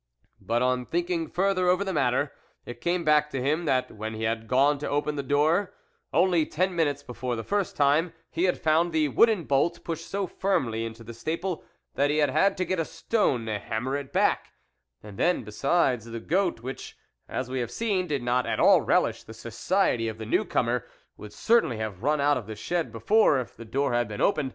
But on thinking further over the matter, it came back to him that when he had gone to open the door, only ten minutes before, for the first time, he had found the wooden bolt pushed so firmly into the staple that he had had to get a stone to hammer it back ; and then, besides, the goat, which, as we have seen, did not at all relish the society of the new comer, would certainly have run out of the shed before, if the door had been open.